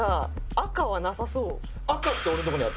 赤はなさそう。